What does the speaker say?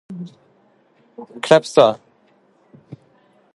Kleppstad